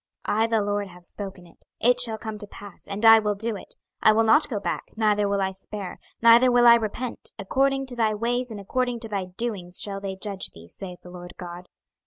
26:024:014 I the LORD have spoken it: it shall come to pass, and I will do it; I will not go back, neither will I spare, neither will I repent; according to thy ways, and according to thy doings, shall they judge thee, saith the Lord GOD.